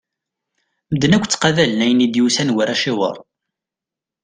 Medden akk ttaqabalen ayen i d-yusan war aciwer.